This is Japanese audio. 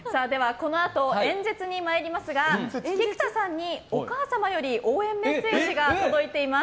このあと演説に参りますが菊田さんにお母様より応援メッセージが届いています。